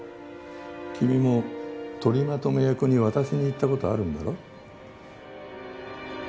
君も取りまとめ役に渡しにいったことあるんだろ？